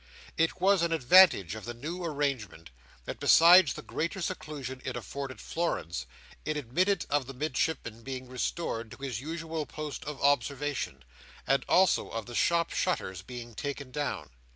It was an advantage of the new arrangement, that besides the greater seclusion it afforded Florence, it admitted of the Midshipman being restored to his usual post of observation, and also of the shop shutters being taken down.